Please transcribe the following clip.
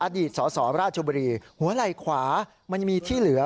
อดีตสสราชบุรีหัวไหล่ขวามันมีที่เหลือ